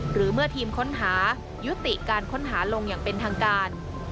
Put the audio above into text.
หรือเมื่อทีมค้นหายุติการค้นหาลงอย่างเป็นทางการ